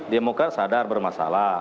demokrat sadar bermasalah